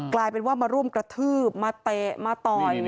กลายเป็นว่ามาร่วมกระทืบมาเตะมาต่อย